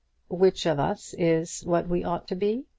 "Which of us is what we ought to be?"